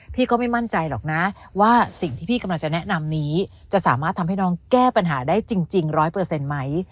พี่ก็ไม่มั่นใจหรอกนะว่าสิ่งที่พี่กำลังจะแนะนำนี้จะสามารถทำให้น้องแก้ปัญหาได้จริง๑๐๐ไหม